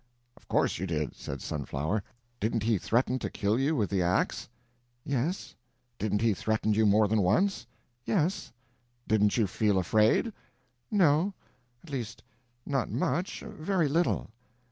"Of course you did," said the Sunflower. "Didn't he threaten to kill you with the ax?" "Yes." "Didn't he threaten you more than once?" "Yes." "Didn't you feel afraid?" "No—at least not much—very little."